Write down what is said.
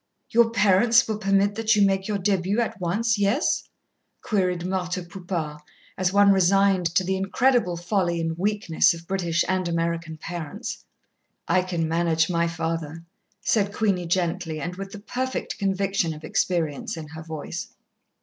"Your parents will permit that you make your début at once, yes?" queried Marthe Poupard, as one resigned to the incredible folly and weakness of British and American parents. "I can manage my father," said Queenie gently, and with the perfect conviction of experience in her voice.